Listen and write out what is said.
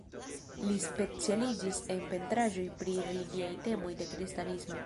Li specialiĝis en pentraĵoj pri religiaj temoj de kristanismo.